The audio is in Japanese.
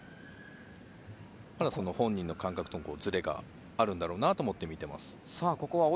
だから本人の感覚ともずれがあるんだろうなと思って見ています。